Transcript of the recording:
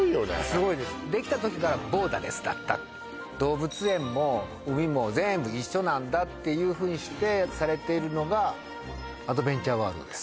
すごいですできた時からボーダーレスだった動物園も海も全部一緒なんだっていうふうにしてされているのがアドベンチャーワールドです